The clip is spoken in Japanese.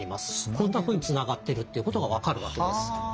こんなふうにつながってるっていうことが分かるわけです。